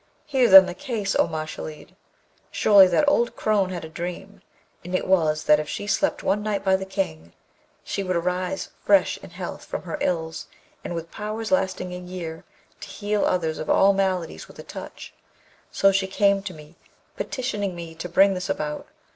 Hear then the case, O Mashalleed! Surely that old crone had a dream, and it was that if she slept one night by the King she would arise fresh in health from her ills, and with powers lasting a year to heal others of all maladies with a touch. So she came to me, petitioning me to bring this about.